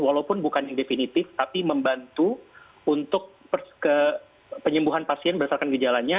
walaupun bukan yang definitif tapi membantu untuk penyembuhan pasien berdasarkan gejalanya